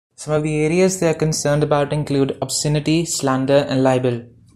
Some of the areas they are concerned about include obscenity, slander and libel.